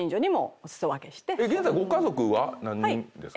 現在ご家族は何人ですか？